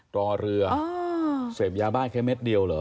รอเรือเสพยาบ้าแค่เม็ดเดียวเหรอ